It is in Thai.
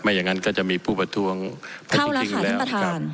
ไม่อย่างงั้นก็จะมีผู้ประท้วงเข้าราชาท่านประทาน